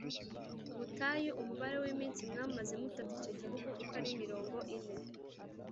Butayu umubare w iminsi mwamaze mutata icyo gihugu uko ari mirongo ine